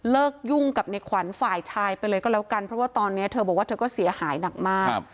ยุ่งกับในขวัญฝ่ายชายไปเลยก็แล้วกันเพราะว่าตอนนี้เธอบอกว่าเธอก็เสียหายหนักมาก